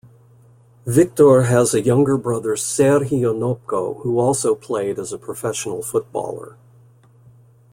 Viktor has a younger brother Serhiy Onopko who also played as a professional footballer.